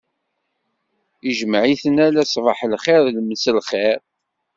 Ijmeɛ-iten ala sbaḥ lxir d mselxir.